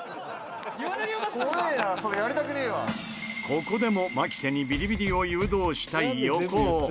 ここでも牧瀬にビリビリを誘導したい横尾。